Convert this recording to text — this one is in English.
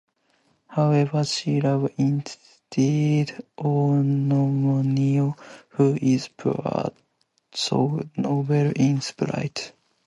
However, she loves instead Antonio, who is poor, though noble in spirit.